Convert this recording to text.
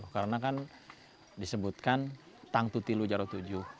karena kan disebutkan tangtu tilu jarut tujuh